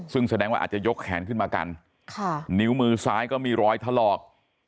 ซึ่งแสดงว่าอาจจะยกแขนขึ้นมากันนิ้วมือซ้ายก็มีรอยถลอก